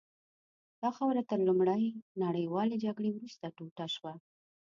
دا خاوره تر لومړۍ نړیوالې جګړې وروسته ټوټه شوه.